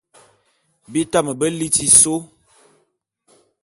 Bi tame be liti sô.